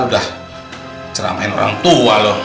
udah ceramain orang tua lo